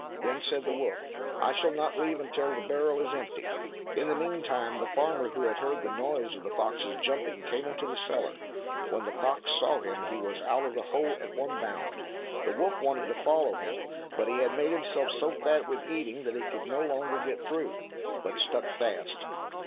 Then said the wolf, "I shall not leave until the barrel is empty." In the meantime the farmer, who had heard the noise of the fox's jumping, came into the cellar. When the fox saw him he was out of the hole at one bound. The wolf wanted to follow him, but he had made himself so fat with eating that he could no longer get through, but stuck fast.